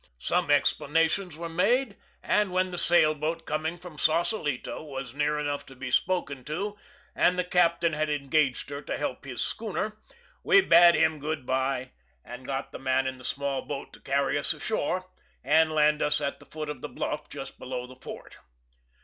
Some explanations were made, and when the sail boat coming from Saucelito was near enough to be spoken to, and the captain had engaged her to help his schooner, we bade him good by, and got the man in the small boat to carry us ashore, and land us at the foot of the bluff, just below the fort.